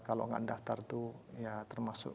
kalau enggak daftar itu termasuk